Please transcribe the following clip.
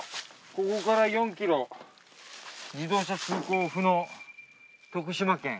「ここから４ｋｍ自動車通行不能徳島県」。